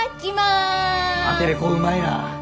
アテレコうまいな。